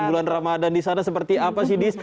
bulan ramadan di sana seperti apa sih dis